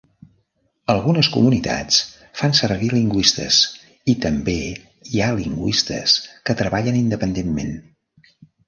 Algunes comunitats fan servir lingüistes, i també hi ha lingüistes que treballen independentment.